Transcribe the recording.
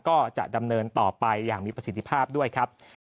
ก็จะดำเนินต่อไปอย่างมีประสิทธิภาพด้วยครับ